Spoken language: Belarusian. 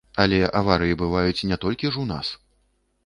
Але аварыі бываюць не толькі ж у нас.